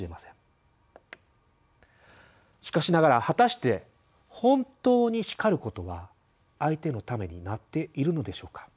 しかしながら果たして本当に叱ることは相手のためになっているのでしょうか？